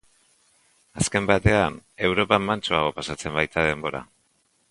Azken batean, Europan mantsoago pasatzen baita denbora.